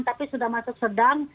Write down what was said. tapi sudah masuk sedang